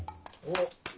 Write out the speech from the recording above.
おっ！